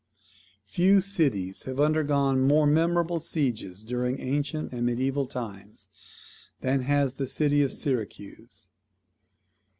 Few cities have undergone more memorable sieges during ancient and mediaeval times, than has the city of Syracuse.